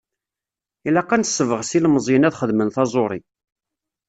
Ilaq ad nessebɣes ilmeẓyen ad xedmen taẓuri.